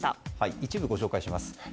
一部ご紹介します。